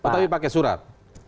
tapi pakai surat